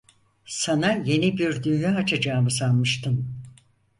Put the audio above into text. Sana yeni bir dünya açacağımı sanmıştın…